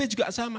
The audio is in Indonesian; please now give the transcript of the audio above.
di ntb juga sama